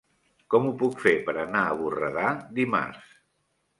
Com ho puc fer per anar a Borredà dimarts?